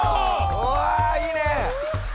うわいいね。